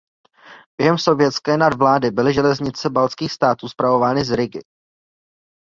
Během sovětské nadvlády byly železnice Baltských států spravovány z Rigy.